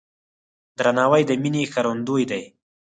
درناوی د مینې ښکارندوی دی.